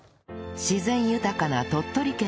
自然豊かな鳥取県